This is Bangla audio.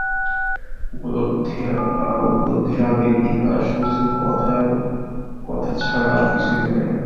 উপলব্ধির আগে ইহা শুধু কথার কথা ছাড়া আর কিছুই নয়।